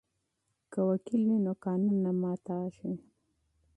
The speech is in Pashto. که وکیل وي نو قانون نه ماتیږي.